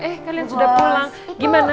eh kalian sudah pulang